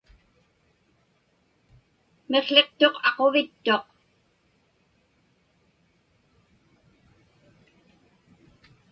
Miqłiqtuq aquvittuq.